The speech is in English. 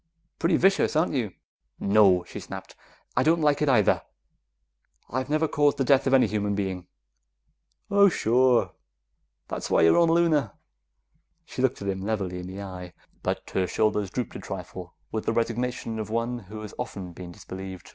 "Pretty vicious, aren't you?" "No!" she snapped. "I don't like it either; I've never caused the death of any human being." "Oh, sure. That's why you were on Luna!" She looked at him levelly in the eye, but her shoulders drooped a trifle with the resignation of one who has often been disbelieved.